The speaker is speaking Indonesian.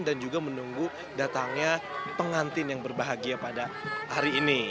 dan juga menunggu datangnya pengantin yang berbahagia pada hari ini